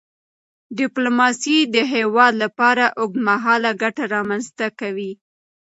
ډیپلوماسي د هیواد لپاره اوږدمهاله ګټه رامنځته کوي.